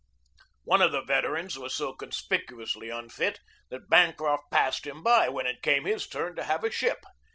One of the veterans was so conspicuously unfit that Ban croft passed him by when it came his turn to have a ship.